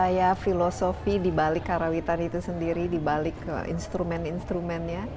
sejarah budaya filosofi di balik karawitan itu sendiri di balik instrumen instrumennya